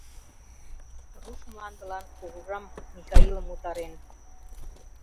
Руш мландылан кугыжам Михаилым — утарен.